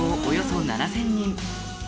およそ７０００人